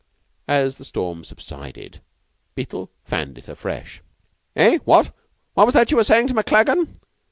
As the storm subsided, Beetle fanned it afresh. "Eh? What? What was that you were saying to MacLagan?"